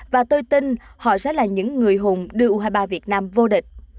và tôi tin họ sẽ là những người hùng đưa u hai mươi ba việt nam vô địch